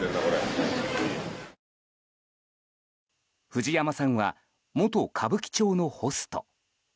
藤山さんは元歌舞伎町のホスト。